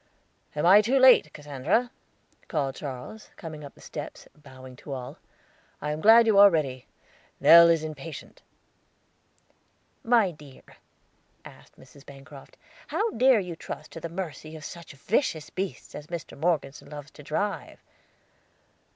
"I am not too late, Cassandra?" called Charles, coming up the steps, bowing to all. "I am glad you are ready; Nell is impatient." "My dear," asked Mrs. Bancroft, "how dare you trust to the mercy of such vicious beasts as Mr. Morgeson loves to drive?"